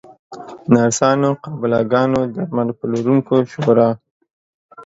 نرسانو، قابله ګانو، درمل پلورونکو شورا